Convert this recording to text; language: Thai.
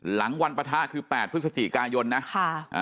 หลังวันปทะคือ๘พฤศจิกายนนะค่ะ